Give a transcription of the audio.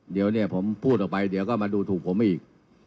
เดี๋ยวเนี่ยผมพูดออกไปเดี๋ยวก็มาดูถูกผมอีก